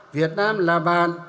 việt nam là bạn